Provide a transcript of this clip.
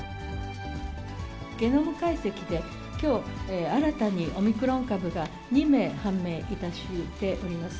ゲノム解析で、きょう、新たにオミクロン株が２名、判明いたしております。